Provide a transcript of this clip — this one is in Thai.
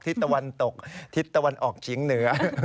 ตะวันตกทิศตะวันออกเฉียงเหนือ